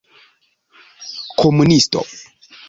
komunisto